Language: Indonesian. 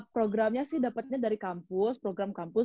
programnya sih dapatnya dari kampus program kampus